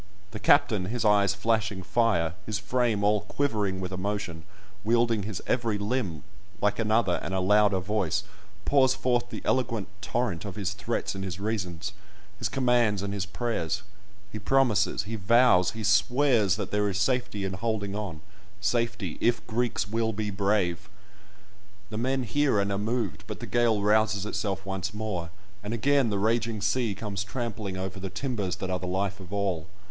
The captain, his eyes flashing fire, his frame all quivering with emotion—wielding his every limb, like another and a louder voice, pours forth the eloquent torrent of his threats and his reasons, his commands and his prayers; he promises, he vows, he swears that there is safety in holding on—safety, if Greeks will be brave! The men hear and are moved; but the gale rouses itself once more, and again the raging sea comes trampling over the timbers that are the life of all.